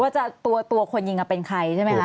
ก็จะตัวคนยิงกับเป็นใครใช่ไหมครับ